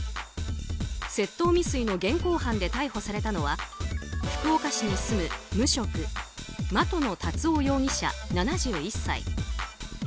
窃盗未遂の現行犯で逮捕されたのは福岡市に住む無職的野達生容疑者、７１歳。